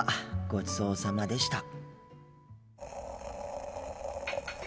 ごちそうさまでした。